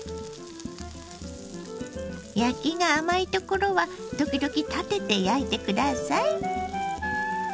焼きが甘いところは時々立てて焼いて下さい。